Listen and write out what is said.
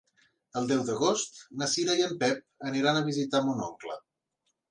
El deu d'agost na Cira i en Pep aniran a visitar mon oncle.